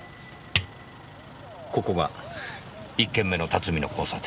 ここが１件目の辰巳の交差点。